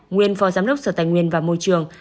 nguyên phó giám đốc sở tài nguyên và môi trường